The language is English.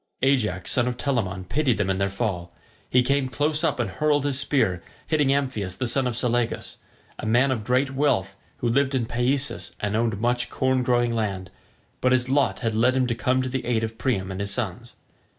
Ajax son of Telamon pitied them in their fall; he came close up and hurled his spear, hitting Amphius the son of Selagus, a man of great wealth who lived in Paesus and owned much corn growing land, but his lot had led him to come to the aid of Priam and his sons.